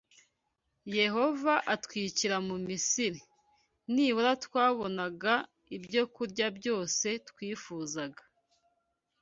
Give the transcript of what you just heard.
Yehova atwicira mu Misiri. Nibura twabonaga ibyokurya byose twifuzaga.’